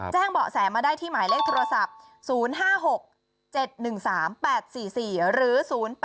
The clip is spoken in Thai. แจ้งเบาะแสมาได้ที่หมายเลขโทรศัพท์๐๕๖๗๑๓๘๔๔หรือ๐๘